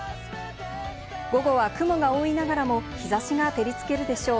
午後は雲が多いながらも日差しが照りつけるでしょう。